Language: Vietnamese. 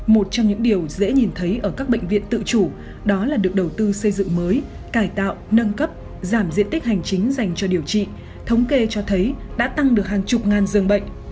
một trong những điều dễ nhìn thấy ở các bệnh viện tự chủ đó là được đầu tư xây dựng mới cải tạo nâng cấp giảm diện tích hành chính dành cho điều trị thống kê cho thấy đã tăng được hàng chục ngàn dương bệnh